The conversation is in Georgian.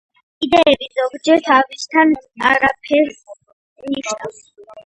იდეეები ზოგჯერ თავისთავად არაფერს ნიშნავენ,